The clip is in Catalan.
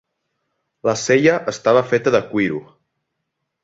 La sella estava feta de cuiro.